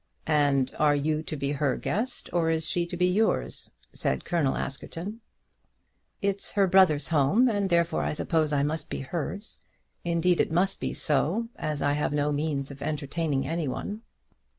"And are you to be her guest, or is she to be yours?" said Colonel Askerton. "It's her brother's home, and therefore I suppose I must be hers. Indeed it must be so, as I have no means of entertaining any one."